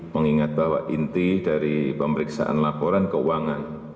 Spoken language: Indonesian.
mengingat bahwa inti dari pemeriksaan laporan keuangan